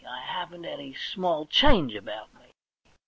I haven't any small change about me.